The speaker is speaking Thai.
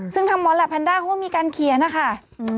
ซึ่งทหารลับพันด้าเขามีการเคลียร์ค่ะ